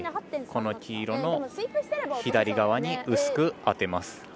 この黄色の左側に薄く当てます。